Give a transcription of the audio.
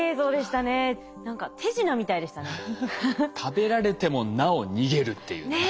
食べられてもなお逃げるっていうね。